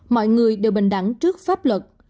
mọi người đều bình đẳng trước pháp luật